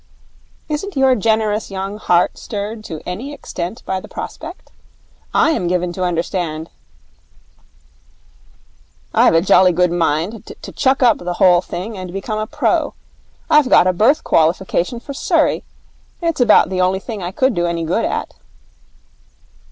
Isn't your generous young heart stirred to any extent by the prospect? I am given to understand ' 'I've a jolly good mind to chuck up the whole thing and become a pro. I've got a birth qualification for Surrey. It's about the only thing I could do any good at.'